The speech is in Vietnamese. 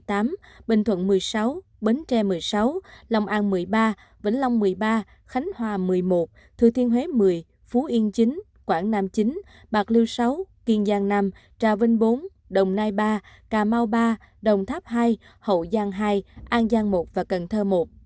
tây ninh một mươi tám bình thuận một mươi sáu bến tre một mươi sáu lòng an một mươi ba vĩnh long một mươi ba khánh hòa một mươi một thư thiên huế một mươi phú yên chín quảng nam chín bạc liêu sáu kiên giang năm trà vinh bốn đồng nai ba cà mau ba đồng tháp hai hậu giang hai an giang một và cần thơ một